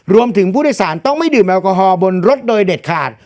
รวมถึงผู้โดยสารต้องไม่ดื่มแอลกอฮอลบนรถโดยเด็ดขาด